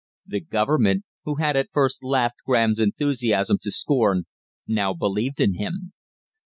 The Government, who had at first laughed Graham's enthusiasm to scorn, now believed in him.